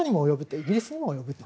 イギリスにも及ぶと。